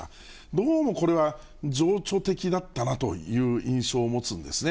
どうもこれは情緒的だったなという印象を持つんですね。